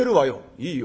「いいよ」。